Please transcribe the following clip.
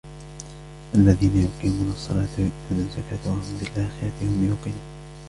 الَّذِينَ يُقِيمُونَ الصَّلَاةَ وَيُؤْتُونَ الزَّكَاةَ وَهُمْ بِالْآخِرَةِ هُمْ يُوقِنُونَ